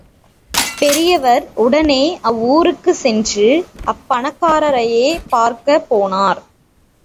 பெரியவர் உடனே அவ்வூருக்குச் சென்று அப்பணக்காரரைப் பார்க்கப் போனார்.